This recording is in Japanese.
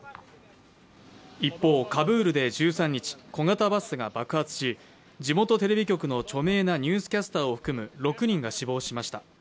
一方、カブールで１３日、小型バスが爆発し、地元テレビ局の著名なニュースキャスターを含む６人が死亡しました。